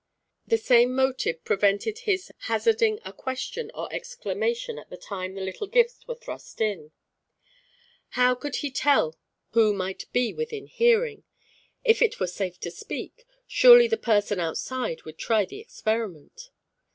The same motive prevented his hazarding a question or exclamation at the time the little gifts were thrust in. How could he tell who might be within hearing? If it were safe to speak, surely the person outside would try the experiment.